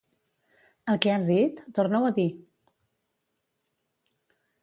El que has dit, torna-ho a dir.